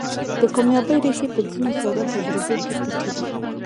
د کاميابۍ ريښې په ځينو ساده تجربو کې پټې دي.